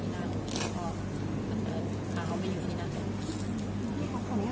ทำยาวเขาอยู่ในหน้าพนี่